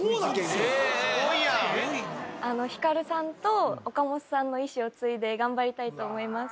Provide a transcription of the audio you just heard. すごいな光さんと岡本さんの意志を継いで頑張りたいと思います